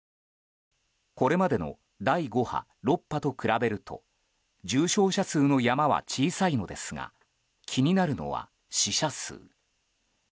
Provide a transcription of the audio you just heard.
これまでの第５波、６波と比べると重症者数の山は小さいのですが気になるのは死者数。